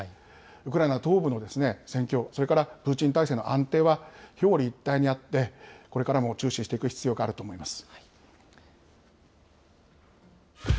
ウクライナ東部の戦況、それからプーチン体制の安定は表裏一体にあって、これからも注視していく必要があると思います。